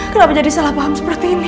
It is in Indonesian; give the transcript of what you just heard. kenapa jadi salah paham seperti ini